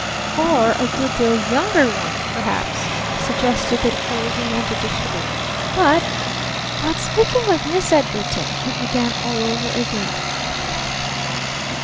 "Or a good deal younger one, perhaps," suggested the Older Man judicially. "But but speaking of Miss Edgarton " he began all over again.